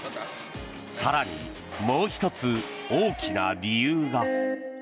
更に、もう１つ大きな理由が。